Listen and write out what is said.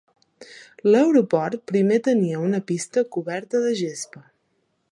L'aeroport primer tenia una pista coberta de gespa.